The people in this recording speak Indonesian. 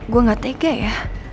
gue gak tega ya